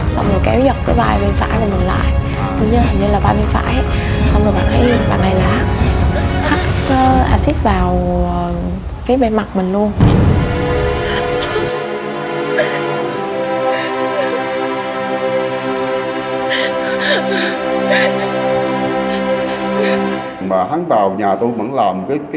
xong rồi kéo dọc cái vai bên phải của mình lại hình như là vai bên phải